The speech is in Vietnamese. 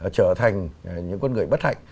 trở thành những con người bất hạnh